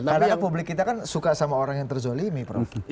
karena publik kita kan suka sama orang yang terzolimi prof